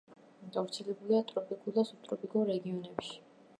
გავრცელებულია ტროპიკულ და სუბტროპიკულ რეგიონებში.